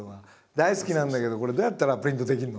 大好きなんだけど「これどうやったらプリントできるの？」